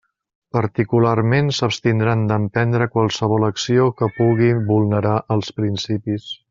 Particularment s'abstindran d'emprendre qualsevol acció que pugui vulnerar els principis.